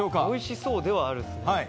おいしそうではある。